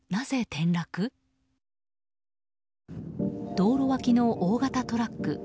道路脇の大型トラック。